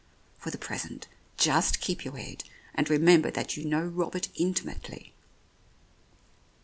For the present just keep your head, and remember that you know Robert intimately."